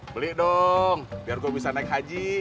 beli dong biar gue bisa naik haji